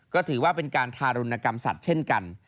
ก็ถือว่าเป็นการทารุณกรรมสัตว์เช่นกัน